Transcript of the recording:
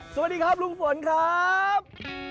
สวัสดีครับลุงฝนครับ